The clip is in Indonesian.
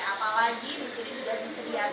apalagi di sini juga disediakan